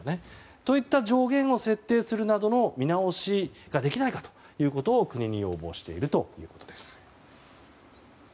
そういった上限を設定するなどの見直しができないかと国に要望しているということです。